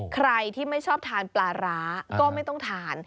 ใครที่ไม่ชอบทานปลาร้าก็ไม่ต้องทาน